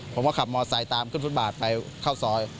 ผมก็ขับมอไซค์ตามขึ้นฟุตบาทไปเข้าซอย